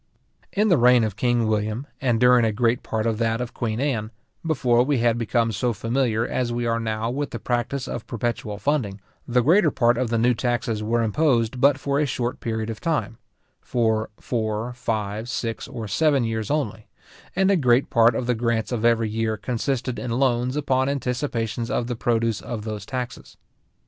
In the reign of king William, and during a great part of that of queen Anne, before we had become so familiar as we are now with the practice of perpetual funding, the greater part of the new taxes were imposed but for a short period of time (for four, five, six, or seven years only), and a great part of the grants of every year consisted in loans upon anticipations of the produce of those taxes.